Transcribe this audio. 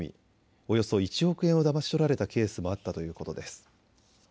およそ１億円をだまし取られたケースもあったということです。